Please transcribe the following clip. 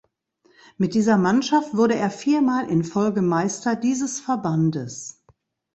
Mit dieser Mannschaft wurde er viermal in Folge Meister dieses Verbandes.